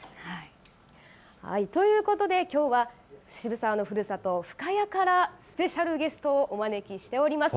ということで、きょうは渋沢のふるさと、深谷からスペシャルゲストをお招きしております。